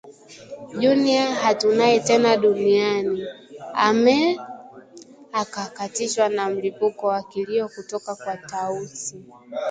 Junior hatunaye tena duniani!! Ame…!” akakatishwa na mlipuko wa kilio kutoka kwa Tausi